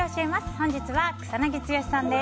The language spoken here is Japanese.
本日は草なぎ剛さんです。